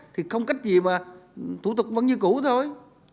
thì không cách gì mà thủ tục vẫn như cũ thôi